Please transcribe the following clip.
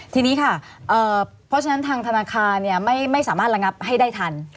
ทีนี้ค่ะเพราะฉะนั้นทางธนาคารไม่สามารถระงับให้ได้ทัน